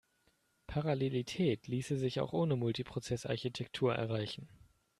Parallelität ließe sich auch ohne Multiprozess-Architektur erreichen.